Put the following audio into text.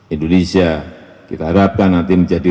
indonesia kita harapkan nanti menjadi